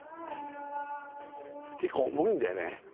結構重いんだよね。